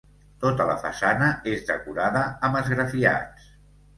Tota la façana és decorada amb esgrafiats.